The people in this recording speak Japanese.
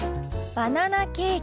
「バナナケーキ」。